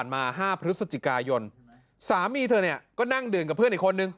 มา๕พฤศจิกายนสามีเธอเนี่ยก็นั่งดื่มกับเพื่อนอีกคนนึง